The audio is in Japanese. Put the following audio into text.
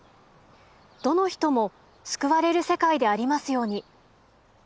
どの人も救われる世界でありますように。